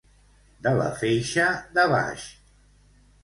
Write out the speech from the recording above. De la feixa de baix.